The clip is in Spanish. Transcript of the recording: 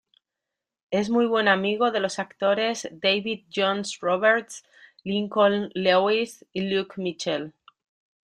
Es muy buen amigo de los actores David Jones-Roberts, Lincoln Lewis y Luke Mitchell.